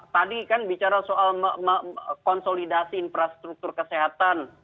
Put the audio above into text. tadi kan bicara soal konsolidasi infrastruktur kesehatan